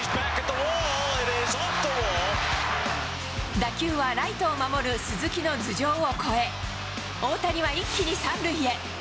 打球はライトを守る鈴木の頭上を越え、大谷は一気に３塁へ。